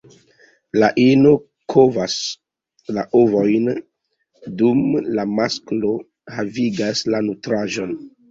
La ino kovas la ovojn, dum la masklo havigas la nutraĵon.